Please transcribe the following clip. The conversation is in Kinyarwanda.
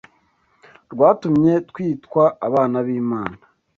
rwatumye twitwa abana b’Imana